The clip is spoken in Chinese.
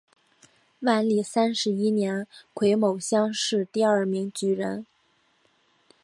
万历三十一年癸卯科乡试第二名举人。